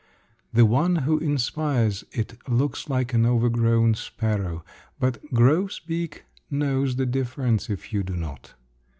The one who inspires it looks like an overgrown sparrow; but grosbeak knows the difference, if you do not.